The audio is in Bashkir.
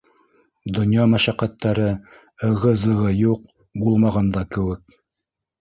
Донъя мәшәҡәттәре, ығы-зығы юҡ, булмаған да кеүек.